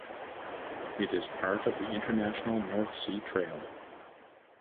It is part of the international North Sea Trail.